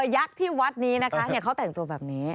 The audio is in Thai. ยักษ์ที่วัดนี้นะคะเขาแต่งตัวแบบนี้